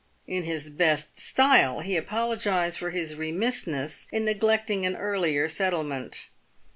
In his best style, he apologised for his remissness in neglecting an earlier settlement.